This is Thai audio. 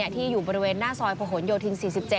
ที่อยู่บริเวณหน้าซอยผนโยธิน๔๗